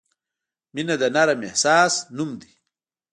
• مینه د نرم احساس نوم دی.